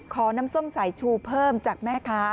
ขอน้ำส้มสายชูเพิ่มจากแม่ค้า